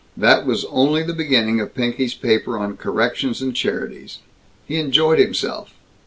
That was only the beginning of Pinky's paper on corrections and charities. He enjoyed himself.